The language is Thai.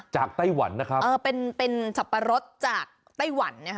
ไต้หวันนะครับเออเป็นเป็นสับปะรดจากไต้หวันนะคะ